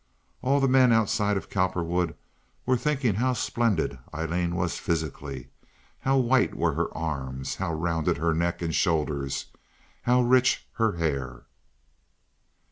All the men outside of Cowperwood were thinking how splendid Aileen was physically, how white were her arms, how rounded her neck and shoulders, how rich her hair.